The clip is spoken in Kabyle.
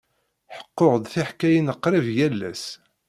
Ḥekkuɣ-d tiḥkayin qrib yal ass.